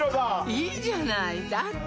いいじゃないだって